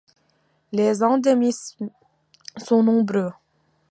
Les endémismes sont nombreux.